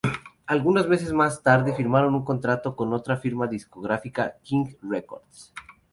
Algunos meses más tarde firmaron un contrato con otra gran firma discográfica, "King Records".